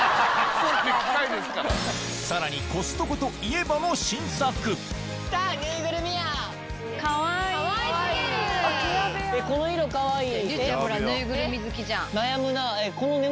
さらにコストコといえばのこの色かわいい。